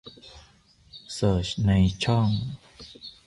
เสิร์ชในช่อง